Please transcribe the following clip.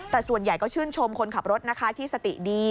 แต่ส่วนใหญ่ก็ชื่นชมคนขับรถนะคะที่สติดี